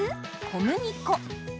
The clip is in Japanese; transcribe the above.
小麦粉。